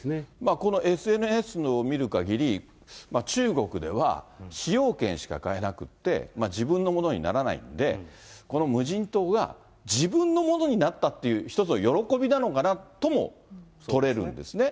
このＳＮＳを見るかぎり、中国では使用権しか買えなくって、自分のものにならないんで、この無人島が自分のものになったっていう一つの喜びなのかなとも取れるんですね。